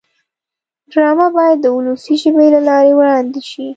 ډرامه باید د ولسي ژبې له لارې وړاندې شي